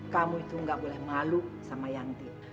kamu itu gak boleh malu sama yanti